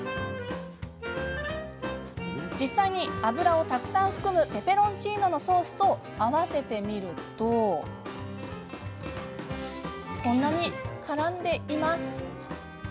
実際に油をたくさん含むペペロンチーノのソースと合わせてみるとこんなに、からんでいます。